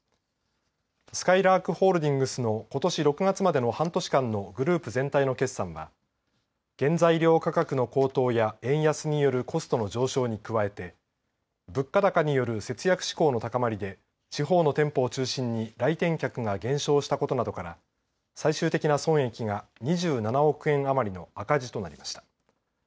すかいらーくホールディングスのことし６月までの半年間のグループ全体の決算は原材料価格の高騰や円安によるコストの上昇に加えて物価高による節約志向の高まりで地方の店舗を中心に来店客が減少したことなどから最終的な損益が２７億円余りの赤字となりました。